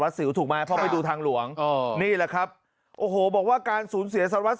วัตษศิลป์ถูกมายเพราะไปดูทางหลวงนี่แหละครับโอ้โหบอกว่าการสูญเสียสนวัตต์